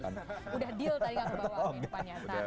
udah deal tadi nggak kebawa ke kehidupan nyata